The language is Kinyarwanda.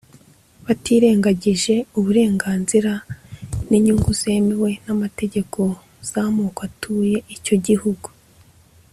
batirengagije uburenganzira n'inyungu zemewe n'amategeko z'amoko atuye icyo gihugu.